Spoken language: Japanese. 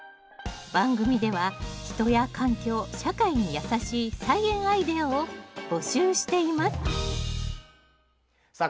番組では人や環境社会にやさしい菜園アイデアを募集していますさあ